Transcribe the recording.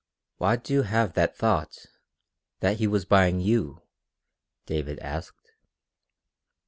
"Why do you have that thought that he was buying you?" David asked.